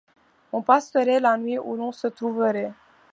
On passerait la nuit où l’on se trouverait.